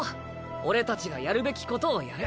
俺たちがやるべきことをやる。